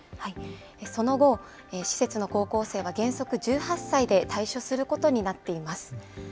その後、施設の高校生は原則１８歳で退所することになっています。